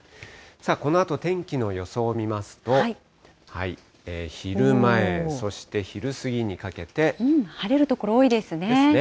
このあと天気の予想を見ますと、晴れる所多いですね。ですね。